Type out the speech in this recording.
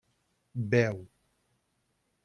Veu.